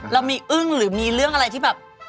เรามีอึ้งหรือมีเรื่องอะไรที่แบบ